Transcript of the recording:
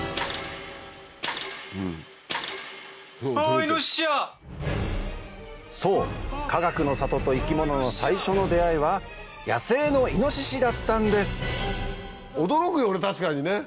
するとそうかがくの里と生き物の最初の出合いは野生のイノシシだったんです驚くよね